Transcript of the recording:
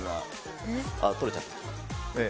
あー、取れちゃった。